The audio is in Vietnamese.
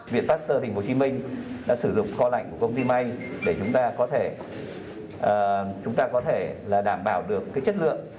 viện pasteur tp hcm đã sử dụng kho lạnh của công ty may để chúng ta có thể đảm bảo được chất lượng